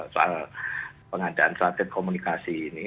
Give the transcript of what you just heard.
soal pengadaan strategi komunikasi ini